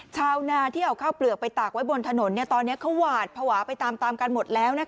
ชาวนาที่เอาข้าวเปลือกไปตากไว้บนถนนตอนนี้เขาหวาดภาวะไปตามกันหมดแล้ว